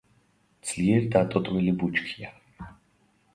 ძლიერ დატოტვილი ბუჩქია.